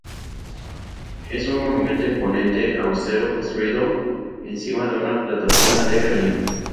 Es un monumento imponente, austero, construido encima de una plataforma de granito.